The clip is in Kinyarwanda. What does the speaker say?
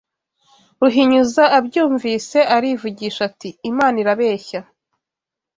Ruhinyuza abyumvise arivugisha ati Imana irabeshya